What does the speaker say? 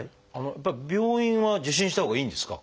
やっぱり病院は受診したほうがいいんですか？